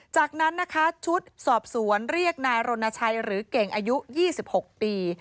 จากนั้นนะคะชุดสอบสวนเรียกนายรณชัยหรือเก่งอายุ๒๖ปี